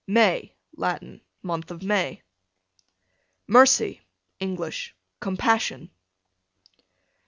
May, Latin, month of May. Mercy, English, compassion.